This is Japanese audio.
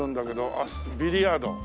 あっビリヤード。